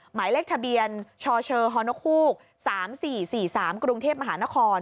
หมายเลขทะเบียน๔๔๔๓กรุงเทพมหานคร